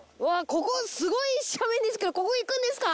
ここすごい斜面ですけどここ行くんですか？